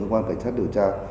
cơ quan cảnh sát điều tra